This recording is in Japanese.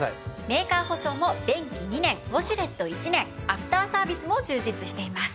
メーカー保証も便器２年ウォシュレット１年アフターサービスも充実しています。